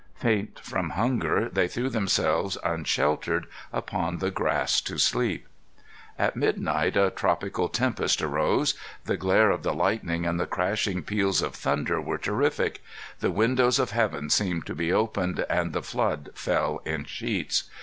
Faint from hunger, they threw themselves unsheltered upon the grass to sleep. At midnight a tropical tempest arose. The glare of the lightning and the crashing peals of thunder were terrific. The windows of heaven seemed to be opened, and the flood fell in sheets.